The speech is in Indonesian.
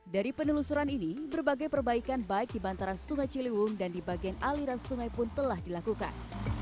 dari penelusuran ini berbagai perbaikan baik di bantaran sungai ciliwung dan di bagian aliran sungai pun telah dilakukan